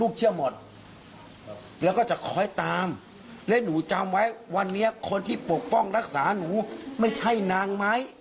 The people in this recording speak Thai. เข้าใจได้ยัง